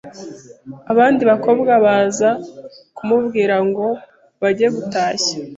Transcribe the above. Abandi bakobwa baza kumubwira ngo bajye gutashya